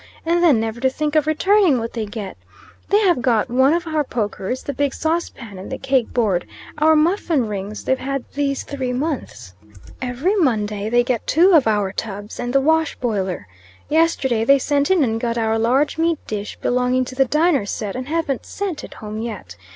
And then, never to think of returning what they get. They have got one of our pokers, the big sauce pan and the cake board. Our muffin rings they've had these three months. Every Monday they get two of our tubs and the wash boiler. Yesterday they sent in and got our large meat dish belonging to the dinner set, and haven't sent it home yet.